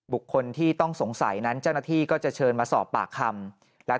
บุคคลที่ต้องสงสัยนั้นเจ้าหน้าที่ก็จะเชิญมาสอบปากคำแล้ว